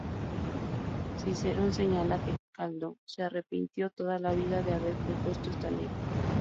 Cicerón señala que Caldo se arrepintió toda la vida de haber propuesto esta ley.